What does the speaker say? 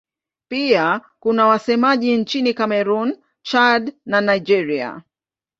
Pia kuna wasemaji nchini Kamerun, Chad na Nigeria.